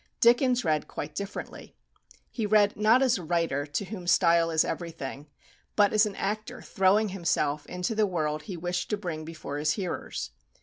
Dickens read quite differently. He read not as a writer to whom style is everything, but as an actor throwing himself into the world he wished to bring before his hearers.